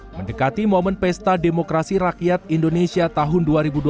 mendekati momen pesta demokrasi rakyat indonesia tahun dua ribu dua puluh empat